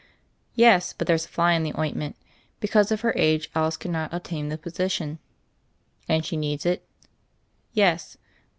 "Yes, but there's a fly in the ointment. Be cause of her age Alice cannot obtain the posi tion." "And she needs it?" "Yes."